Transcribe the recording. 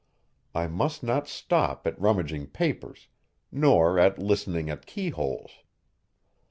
I must not stop at rummaging papers, nor at listening at keyholes.